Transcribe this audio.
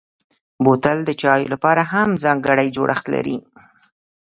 بوتل د چايو لپاره هم ځانګړی جوړښت لري.